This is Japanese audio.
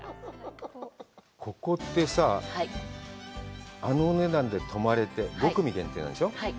ここってさ、あのお値段で泊まれて、５組限定なんでしょう？